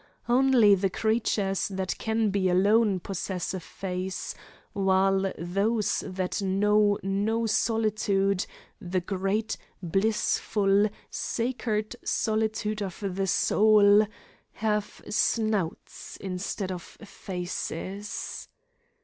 Only the creatures that can be alone possess a face; while those that know no solitude the great, blissful, sacred solitude of the soul have snouts instead of faces.